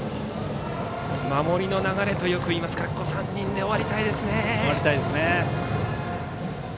守りの流れとよく言いますがここ３人で終わりたいです。